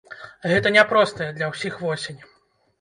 Гэта няпростая для ўсіх восень.